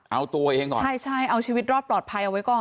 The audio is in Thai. เอาตัวเองก่อนใช่ใช่เอาชีวิตรอดปลอดภัยเอาไว้ก่อน